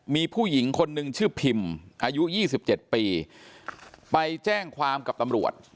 มีผู้หญิงคนนึงชื่อพิมอายุ๒๗ปีไปแจ้งความกับตำรวจ